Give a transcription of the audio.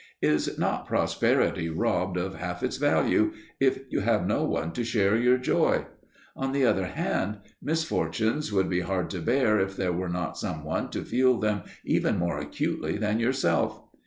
Is not prosperity robbed of half its value if you have no one to share your joy? On the other hand, misfortunes would be hard to bear if there were not some one to feel them even more acutely than yourself.